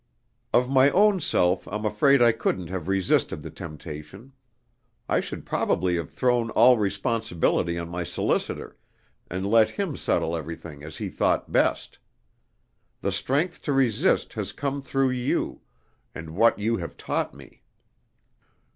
"Of my own self, I'm afraid I couldn't have resisted the temptation. I should probably have thrown all responsibility on my solicitor, and let him settle everything as he thought best. The strength to resist has come through you, and what you have taught me.